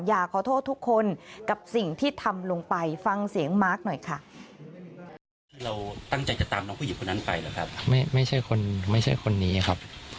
อยากขอโทษทุกคนกับสิ่งที่ทำลงไปฟังเสียงมาร์คหน่อยค่ะ